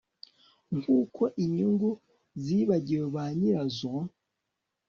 Nkuko inyungu zibagiwe banyirazon